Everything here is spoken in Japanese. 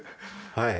はい。